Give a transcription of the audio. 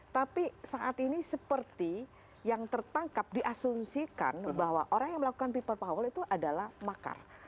tapi saat ini seperti yang tertangkap diasumsikan bahwa orang yang melakukan people power itu adalah makar